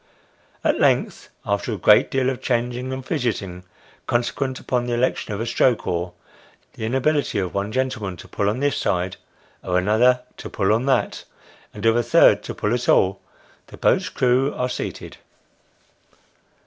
At length, after a great deal of changing and fidgeting, consequent upon the election of a stroke oar : tho inability of one gentleman to pull on this side, of another to pull on that, and of a third to pull at all, the boat's crew are seated.